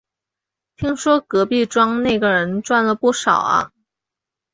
听说隔壁庄那个人赚了不少啊